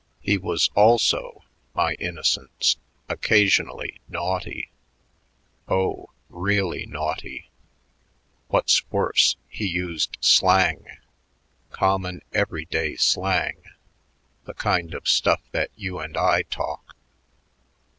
He was also, my innocents, occasionally naughty oh, really naughty. What's worse, he used slang, common every day slang the kind of stuff that you and I talk.